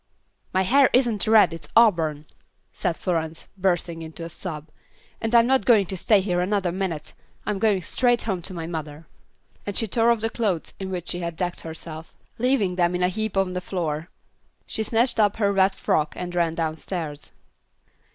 "My hair isn't red, it's auburn," said Florence, bursting into a sob, "and I'm not going to stay here another minute. I'm going straight home to my mother." And she tore off the clothes in which she had decked herself, leaving them in a heap on the floor. She snatched up her wet frock and ran downstairs.